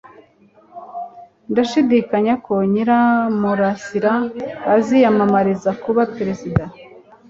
Ndashidikanya ko Nyiramurasira aziyamamariza kuba perezida